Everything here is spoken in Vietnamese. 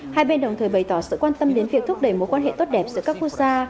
hai bên đồng thời bày tỏ sự quan tâm đến việc thúc đẩy mối quan hệ tốt đẹp giữa các quốc gia